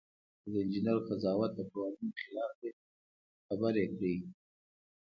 که د انجینر قضاوت د قوانینو خلاف وي خبره یې کړئ.